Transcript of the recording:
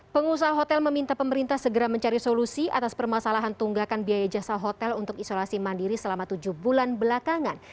pengusaha hotel meminta pemerintah segera mencari solusi atas permasalahan tunggakan biaya jasa hotel untuk isolasi mandiri selama tujuh bulan belakangan